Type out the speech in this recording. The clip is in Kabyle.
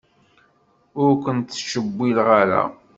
Ur ken-tettcewwil ara.